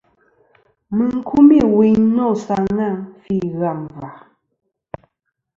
Mɨ n-kumî wuyn nô sa ŋaŋ fî ghâm và..